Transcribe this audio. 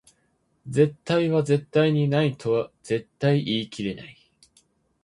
絶対は絶対にないとは絶対言い切れない